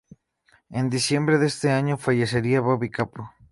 En diciembre de ese año fallecería Bobby Capó.